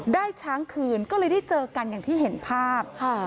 ช้างคืนก็เลยได้เจอกันอย่างที่เห็นภาพ